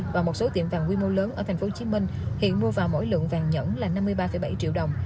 và một số tiệm vàng quy mô lớn ở tp hcm hiện mua vào mỗi lượng vàng nhẫn là năm mươi ba bảy triệu đồng